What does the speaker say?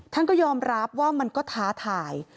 ท่านก็ยอมรับว่ามันก็ท้าทาย